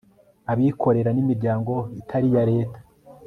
abikorera n' imiryango itari iya leta